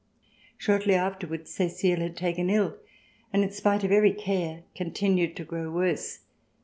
Shortly afterwards, Cecile was taken ill and, in spite of every care, continued to grow worse.